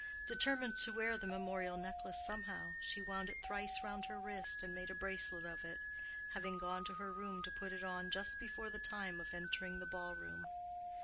Determined to wear the memorial necklace somehow, she wound it thrice round her wrist and made a bracelet of it—having gone to her room to put it on just before the time of entering the ball room.